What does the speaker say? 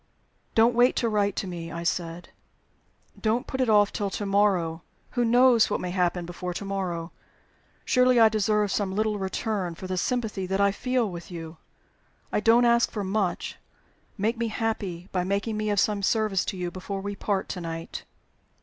"Don't wait to write to me," I said. "Don't put it off till to morrow. Who knows what may happen before to morrow? Surely I deserve some little return for the sympathy that I feel with you? I don't ask for much. Make me happy by making me of some service to you before we part to night."